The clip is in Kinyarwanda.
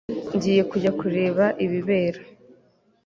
Ngiye kujya kureba ibibera